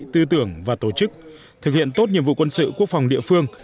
tư tưởng và tổ chức thực hiện tốt nhiệm vụ quân sự quốc phòng địa phương